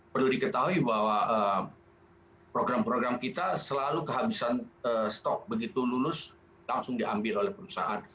perlu diketahui bahwa program program kita selalu kehabisan stok begitu lulus langsung diambil oleh perusahaan